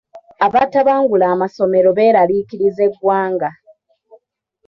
Abatabangula amasomero beeraliikiriza eggwanga.